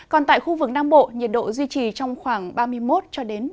còn tại khu vực nam bộ nhiệt độ duy trì trong khoảng ba mươi một ba mươi bốn độ